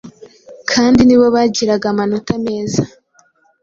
kandi ni bo bagiraga amanota meza